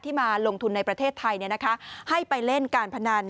มาลงทุนในประเทศไทยให้ไปเล่นการพนัน